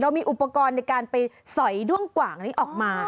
มีอุปกรณ์ในการไปสอยด้วงกว่างนี้ออกมา